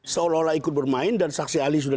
seolah olah ikut bermain dan saksi ahli sudah